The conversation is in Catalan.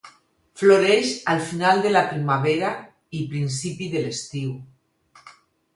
Floreix al final de la primavera i principi de l'estiu.